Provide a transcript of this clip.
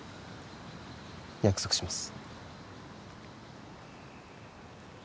約束します